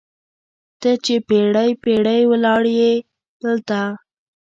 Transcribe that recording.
ته چې پیړۍ، پیړۍ ولاړیې دلته